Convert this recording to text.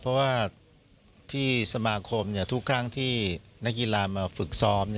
เพราะว่าที่สมาคมทุกครั้งที่นักกีฬามาฝึกซ้อม